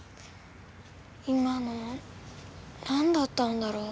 今の何だったんだろう？